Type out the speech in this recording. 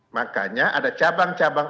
makanya ada cabang cabang